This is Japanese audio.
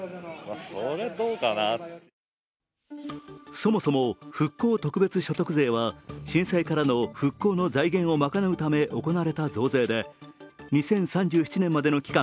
そもそも、復興特別所得税は震災からの復興の財源を賄うために行われた増税で、２０３７年までの期間